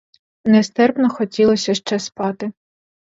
Нестерпно хотілося ще спати.